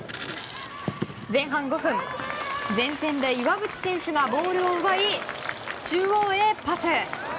前半５分、前線で岩渕選手がボールを奪い中央へパス。